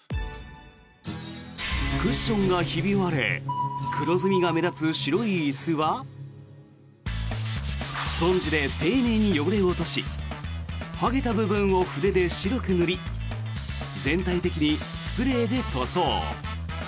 クッションがひび割れ黒ずみが目立つ白い椅子はスポンジで丁寧に汚れを落とし剥げた部分を筆で白く塗り全体的にスプレーで塗装。